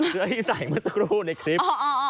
เสื้อที่ใส่เมื่อสักครู่ในคลิป